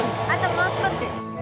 あともう少し。